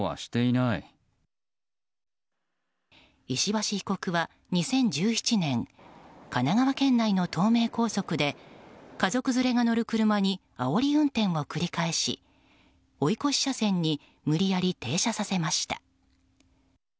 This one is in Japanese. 石橋被告は、２０１７年神奈川県内の東名高速で家族連れが乗る車にあおり運転を繰り返し追い越し車線に無理やり停車させました。